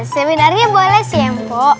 seminarnya boleh sih mpo